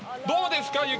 どうですか。